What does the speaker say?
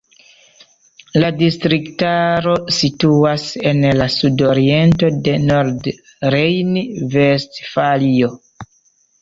La distriktaro situas en la sudoriento de Nordrejn-Vestfalio.